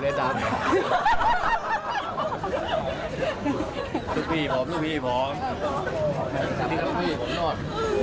ลูกพี่ผมลูกพี่ผมลูกพี่ผมนอด